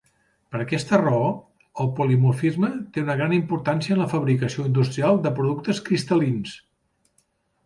Per aquesta raó, el polimorfisme té una gran importància en la fabricació industrial de productes cristal·lins.